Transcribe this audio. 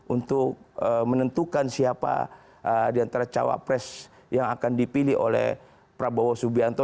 untuk menentukan siapa diantara cawapres yang akan dipilih oleh prabowo subianto